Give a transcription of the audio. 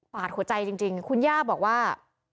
หัวใจจริงคุณย่าบอกว่า